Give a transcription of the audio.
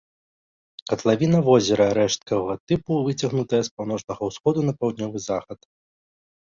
Катлавіна возера рэшткавага тыпу, выцягнутая з паўночнага ўсходу на паўднёвы захад.